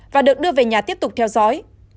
và được đưa về nhà tiếp tục theo dõi